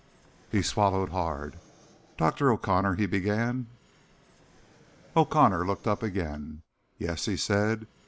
He swallowed hard. "Dr. O'Connor—" he began. O'Connor looked up again. "Yes?" he said.